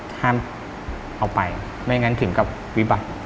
ห้ามเอาไปไม่งั้นถึงกับวิบัติ